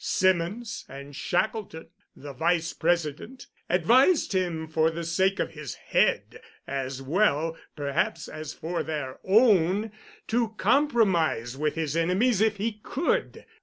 Symonds, and Shackelton, the vice president, advised him for the sake of his head, as well, perhaps, as for their own, to compromise with his enemies if he could.